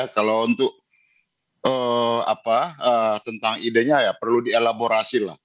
kalau untuk tentang idenya ya perlu dielaborasi lah